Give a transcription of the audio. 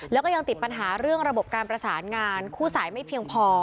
แล้วก็ยังติดปัญหาเรื่องระบบการประสานงานคู่สายไม่เพียงพอ